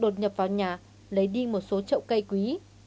đột nhập vào nhà lấy đi một số trậu cây quý